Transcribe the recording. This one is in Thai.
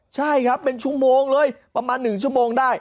ใช่ครับเป็นชั่วโมงเลยประมาณ๑ชั่วโมงได้